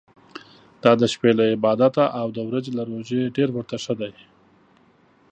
دا د شپې له عبادته او د ورځي له روژې ډېر ورته ښه ده.